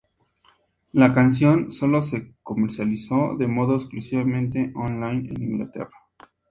La canción solo se comercializó de modo exclusivamente on-line en Inglaterra.